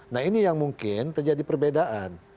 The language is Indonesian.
nah ini yang mungkin terjadi perbedaan